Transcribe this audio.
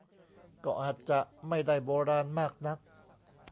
ก็อาจจะไม่ได้โบราณมากนัก